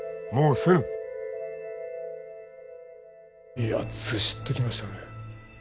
いや、ずしっときましたね。